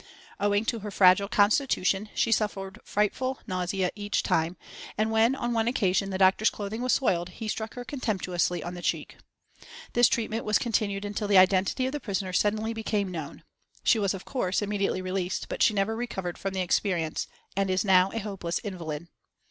Owing to her fragile constitution she suffered frightful nausea each time, and when on one occasion the doctor's clothing was soiled, he struck her contemptuously on the cheek. This treatment was continued until the identity of the prisoner suddenly became known. She was, of course, immediately released, but she never recovered from the experience, and is now a hopeless invalid.